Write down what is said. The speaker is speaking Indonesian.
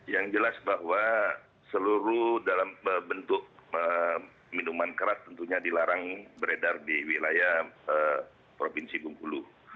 yang jelas bahwa seluruh dalam bentuk minuman keras tentunya dilarang beredar di wilayah provinsi bengkulu